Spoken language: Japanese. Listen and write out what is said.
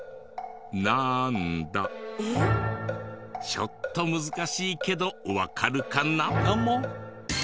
ちょっと難しいけどわかるかな？